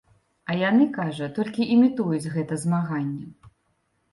А яны, кажа, толькі імітуюць гэта змаганне.